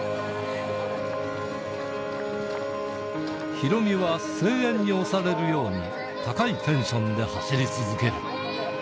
ヒロミは声援に押されるように、高いテンションで走り続ける。